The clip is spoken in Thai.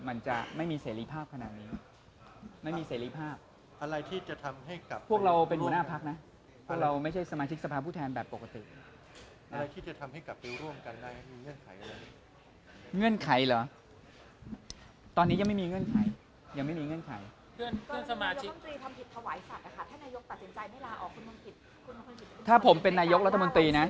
มันจะไม่มีเสรีภาพขนาดนี้